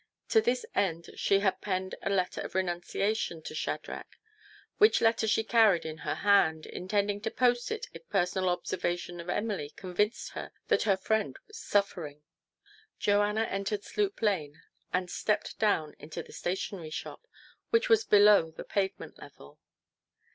To this end she had penned a letter of renunciation to Shadrach, which letter she carried in her hand, intending to post it if personal observation of Emily con vinced her that her friend was suffering. Joanna entered Sloop Lane and stepped down into the stationery shop, which was below the pavement level.